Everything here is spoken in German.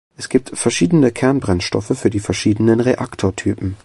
Es gibt verschiedene Kernbrennstoffe für die verschiedenen Reaktortypen.